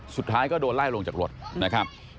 สุดท้ายก็โดนไล่ลงจากรถนะครับ